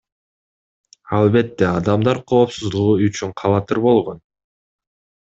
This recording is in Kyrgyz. Албетте, адамдар коопсуздугу үчүн кабатыр болгон.